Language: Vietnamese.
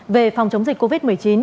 về phòng chống dịch covid một mươi chín